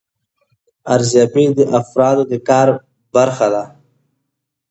ارزیابي د افرادو د کار له برخې ده.